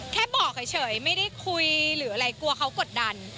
แค่บอกเฉยไม่ได้คุยหรืออะไรกลัวเขากดดัน